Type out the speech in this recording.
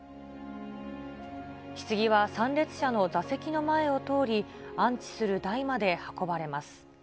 ひつぎは参列者の座席の前を通り、安置する台まで運ばれます。